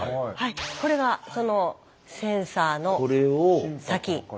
これがそのセンサーの先。